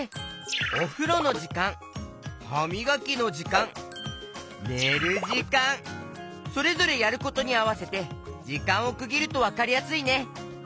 おふろのじかんはみがきのじかんねるじかんそれぞれやることにあわせてじかんをくぎるとわかりやすいね。